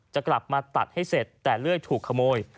จะกลับมาตัดให้เสร็จแต่เลื่อยถูกขโมย